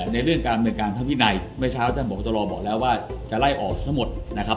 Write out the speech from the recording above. ในเรื่องการเมืองการทางวินัยเมื่อเช้าท่านบอกตรบอกแล้วว่าจะไล่ออกทั้งหมดนะครับ